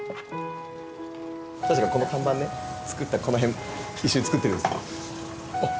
確かこの看板ね作ったこの辺一緒に作ってるんですよ。